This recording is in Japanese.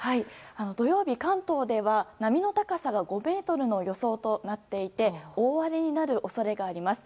土曜日関東では波の高さが５ｍの予想となっていて大荒れになる恐れがあります。